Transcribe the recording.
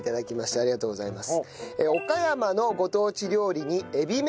ありがとうございます。